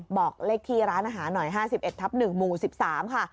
บอกเลขที่ร้านอาหารหน่อย๕๑ทับ๑หมู่๑๓ค่ะ